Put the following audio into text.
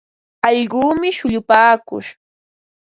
Allquumi shullupaakush.